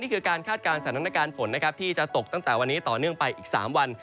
การคาดการณ์สถานการณ์ฝนนะครับที่จะตกตั้งแต่วันนี้ต่อเนื่องไปอีก๓วัน